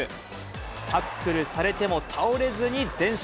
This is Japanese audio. タックルされても倒れずに前進。